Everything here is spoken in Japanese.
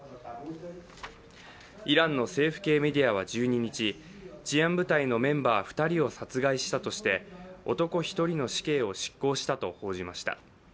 イランの政府系メディアは１２日、治安部隊のメンバー２人を殺害したとして男１人の死刑を執行したと報じました。